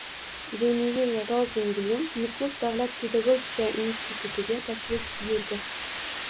Deniyel Rozenblyum Nukus davlat pedagogika institutiga tashrif buyurding